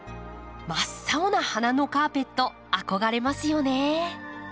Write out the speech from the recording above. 真っ青な花のカーペット憧れますよね。